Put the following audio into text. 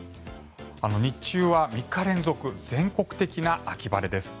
日中は３日連続全国的な秋晴れです。